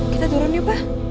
kita turun yuk pak